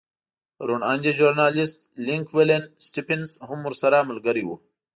روڼ اندی ژورنالېست لینک ولن سټېفنس هم ورسره ملګری و.